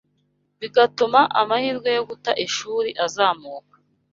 bigatuma amahirwe yo guta ishuri azamuka